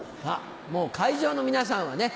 もう会場の皆さんはね。